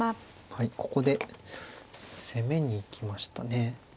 はいここで攻めに行きましたね。